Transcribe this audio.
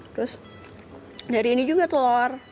terus dari ini juga telur